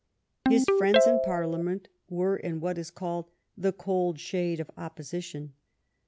His friends in Parliament were in what is called the cold shade of opposition.